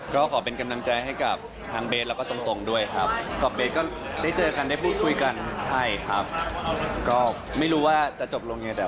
ก็ขอเป็นกำลังใจให้กับทั้งเบสและตรงด้วยครับ